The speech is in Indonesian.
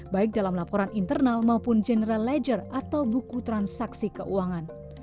baik dalam laporan internal maupun general ledger atau buku transaksi keuangan